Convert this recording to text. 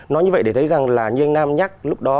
nói như vậy để thấy rằng là như anh nam nhắc lúc đó